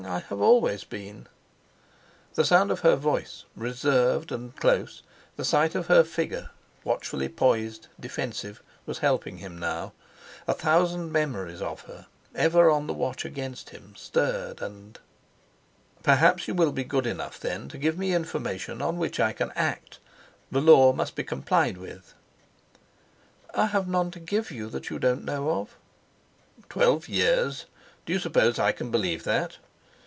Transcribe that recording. I have always been." The sound of her voice, reserved and close, the sight of her figure watchfully poised, defensive, was helping him now. A thousand memories of her, ever on the watch against him, stirred, and.... "Perhaps you will be good enough, then, to give me information on which I can act. The law must be complied with." "I have none to give you that you don't know of." "Twelve years! Do you suppose I can believe that?"